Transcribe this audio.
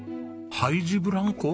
「ハイジブランコ」？